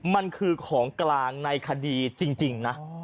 มันคือของกลางในคดีจริงนะ